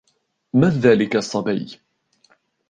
من ذلك الصبي ؟